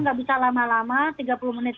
nggak bisa lama lama tiga puluh menit